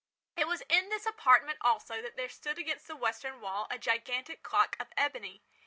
It was in this apartment, also, that there stood against the western wall, a gigantic clock of ebony.